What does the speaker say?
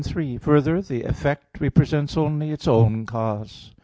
3: Further, the effect represents only its own cause.